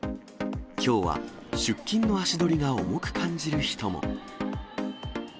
きょうは出勤の足取りが重く感じる人も。